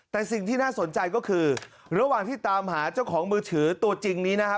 แต่สิ่งที่น่าสนใจก็คือระหว่างที่ตามหาเจ้าของมือถือตัวจริงนี้นะครับ